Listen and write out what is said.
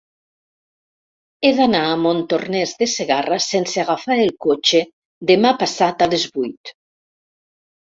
He d'anar a Montornès de Segarra sense agafar el cotxe demà passat a les vuit.